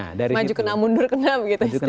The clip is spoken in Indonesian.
maju kena mundur kena begitu